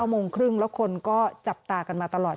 โมงครึ่งแล้วคนก็จับตากันมาตลอด